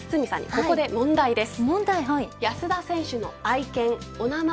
ここで問題です。